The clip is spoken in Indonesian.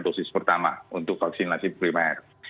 dosis pertama untuk vaksinasi primer